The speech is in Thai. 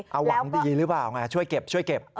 เอาหวังดีหรือเปล่าไงช่วยเก็บช่วยเก็บ